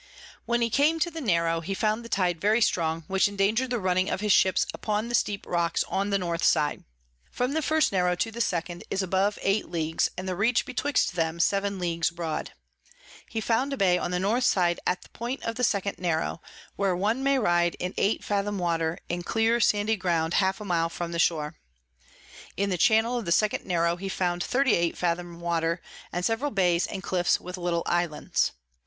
When he came to the Narrow, he found the Tide very strong, which endanger'd the running of his Ships upon the steep Rocks on the North side. From the first Narrow to the second is above 8 Ls. and the Reach betwixt them 7 Ls broad. He found a Bay on the North [Sidenote: Account of the Straits of Magellan.] side at the Point of the second Narrow, where one may ride in 8 Fathom Water in clear sandy Ground half a mile from the Shore. In the Channel of the second Narrow he found 38 Fathom Water, and several Bays and Cliffs with little Islands.